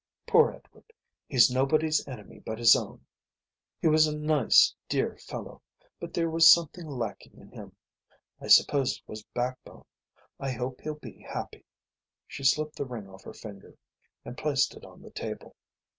Poor Edward, he's nobody's enemy but his own. He was a dear, nice fellow, but there was something lacking in him, I suppose it was backbone. I hope he'll be happy." She slipped the ring off her finger and placed it on the table.